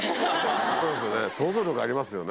そうですよね想像力ありますよね。